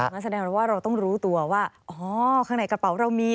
นั่นแสดงว่าเราต้องรู้ตัวว่าอ๋อข้างในกระเป๋าเรามี